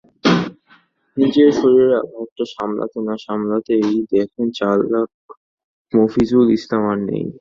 নিজের শরীরের আঘাতটা সামলাতে না সামলাতেই দেখেন চালক মফিজুল ইসলাম আর নেই।